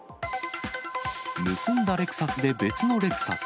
盗んだレクサスで別のレクサス。